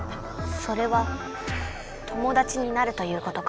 それは友だちになるということか？